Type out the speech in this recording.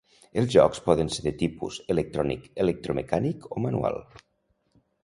Els jocs poden ser de tipus: electrònic, electromecànic o manual.